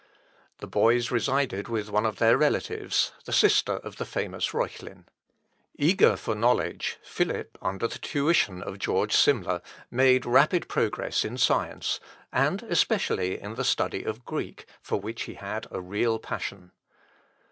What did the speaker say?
The boys resided with one of their relatives, the sister of the famous Reuchlin. Eager for knowledge, Philip, under the tuition of George Simler, made rapid progress in science, and especially in the study of Greek, for which he had a real passion.